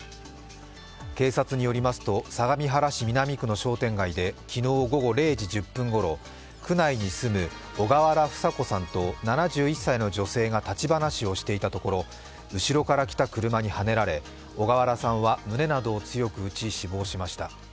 警察によりますと、相模原市南区の商店街で昨日午後０時１０分ごろ区内に住む小河原房子さんと女性１人が立ち話をしていたところ、後ろから来た車にはねられ、小河原さんは胸などを強く打ち死亡しました。